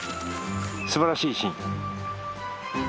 すばらしいシーン。